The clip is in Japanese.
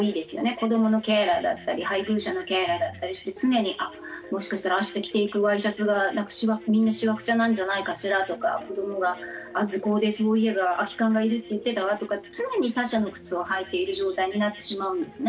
子どものケアラーだったり配偶者のケアラーだったりして常に「あっもしかしたらあした着ていくワイシャツがみんなしわくちゃなんじゃないかしら」とか「子どもが図工でそういえば空き缶が要るって言ってたわ」とか常に他者の靴を履いている状態になってしまうんですね。